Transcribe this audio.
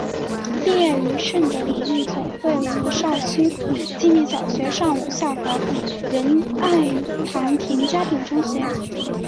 毕业于顺德联谊总会胡少渠纪念小学上午校和仁爱堂田家炳中学。